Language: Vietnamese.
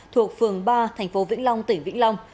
thuộc phường ba tp vĩnh long tỉnh vĩnh long